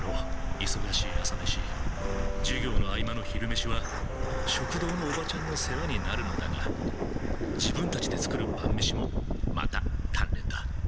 いそがしい朝飯授業の合間の昼飯は食堂のおばちゃんの世話になるのだが自分たちで作る晩飯もまた鍛錬だ。